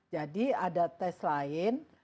jadi ada tes lain